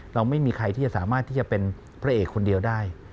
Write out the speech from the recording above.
เราไม่มีใครที่จะสามารถที่จะเป็นพระเอกคนเดียวได้